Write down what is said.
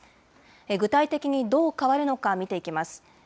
具体的にどう変わるのか、見ていきます。